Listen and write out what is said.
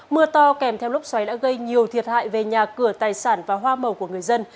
mưa to kèm theo lốc xoáy đã gây nhiều thiệt hại về nhà cửa tài sản và hoa màu của người dân